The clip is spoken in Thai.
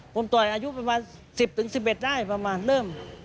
ผมต่อยอายุประมาณ๑๐๑๑ได้ประมาณเริ่ม